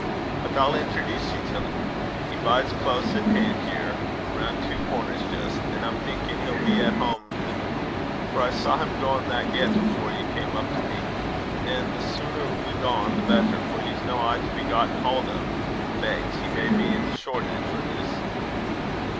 "But I'll introduce ye till 'im. He bides close at han' here; roun' twa corners jist. An' I'm thinkin' he'll be at hame the noo; for I saw him gaein that get, afore ye cam' up to me. An' the suner we gang, the better; for he's no aye to be gotten hand o'. Fegs! he may be in Shoreditch or this."